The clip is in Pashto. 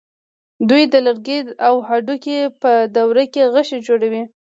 دوی د لرګي او هډوکي په دوره کې غشی جوړ کړ.